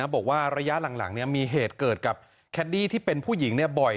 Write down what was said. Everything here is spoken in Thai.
บอกว่าระยะหลังมีเหตุเกิดกับแคดดี้ที่เป็นผู้หญิงบ่อย